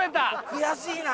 悔しいな。